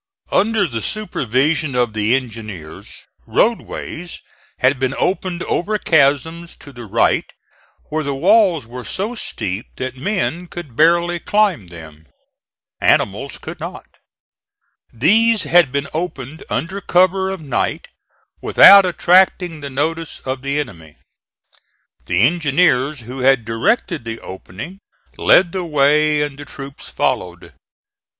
Under the supervision of the engineers, roadways had been opened over chasms to the right where the walls were so steep that men could barely climb them. Animals could not. These had been opened under cover of night, without attracting the notice of the enemy. The engineers, who had directed the opening, led the way and the troops followed.